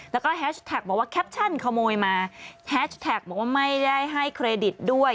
แล้วก็แฮชแท็กบอกว่าแคปชั่นขโมยมาแฮชแท็กบอกว่าไม่ได้ให้เครดิตด้วย